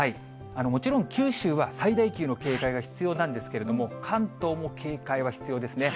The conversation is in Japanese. もちろん、九州は最大級の警戒が必要なんですけれども、関東も警戒は必要ですね。